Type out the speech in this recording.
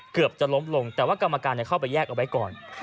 เกือบจะล้มลงแต่ว่ากรรมการเข้าไปแยกเอาไว้ก่อน